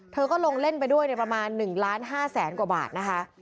เธอก็ลงเล่นไปด้วยประมาณ๑ล้าน๕แสนกว่าบาทนะคะ